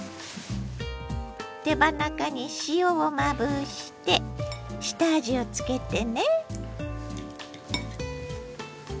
手羽中に塩をまぶして下味をつけてね。